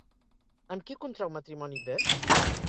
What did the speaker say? Amb qui contrau matrimoni Beuve?